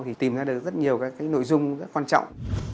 thì tìm ra được rất nhiều các cái nội dung rất quan trọng